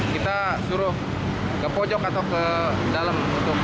kita suruh ke pojok atau ke dalam